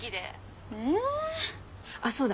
あっそうだ。